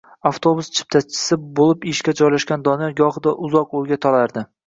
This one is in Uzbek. Avtobus chiptachisi bo`lib ishga joylashgan Doniyor gohida uzoq o`yga tolardi